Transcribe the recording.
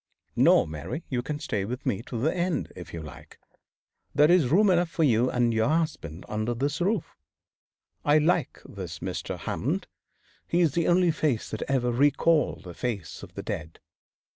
No, Mary, you can stay with me to the end, if you like. There is room enough for you and your husband under this roof. I like this Mr. Hammond. His is the only face that ever recalled the face of the dead.